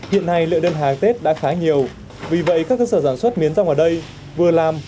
hiện nay lượng đơn hàng tết đã khá nhiều vì vậy các cơ sở sản xuất miến rong ở đây vừa làm